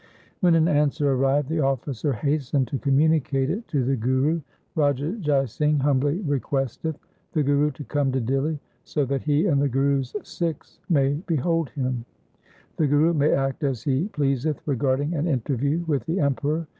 When an answer arrived the officer hastened to communicate it to the Guru —' Raja Jai Singh humbly requesteth the Guru to come to Dihli, so that he and the Guru's Sikhs may behold him. The Guru may act as he pleaseth regarding an interview with the Emperor.